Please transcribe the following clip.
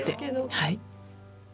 はい。